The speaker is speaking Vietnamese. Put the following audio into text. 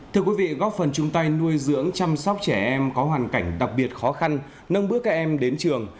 thưa quý vị góp phần chung tay nuôi dưỡng chăm sóc trẻ em có hoàn cảnh đặc biệt khó khăn nâng bước các em đến trường